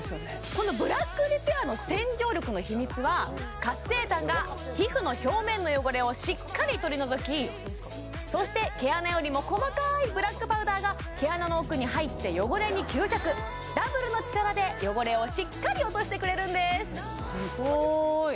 このブラックリペアの洗浄力の秘密は活性炭が皮膚の表面の汚れをしっかり取り除きそして毛穴よりも細かいブラックパウダーが毛穴の奥に入って汚れに吸着ダブルの力で汚れをしっかり落としてくれるんですすごい！